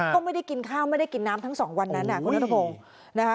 เขาไม่ได้กินข้าวไม่ได้กินน้ำทั้งสองวันนั้นน่ะคุณรัฐพงศ์